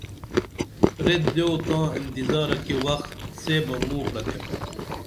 ریت دیو تاں انتظارہ کی وخ سے بہ موں پرئتِھم